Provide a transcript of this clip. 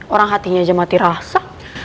orang hatinya aja mati rasa